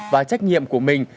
và trách nhiệm của mình